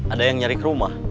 ada yang nyari kerumah